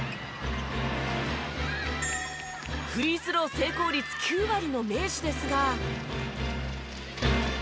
フリースロー成功率９割の名手ですが。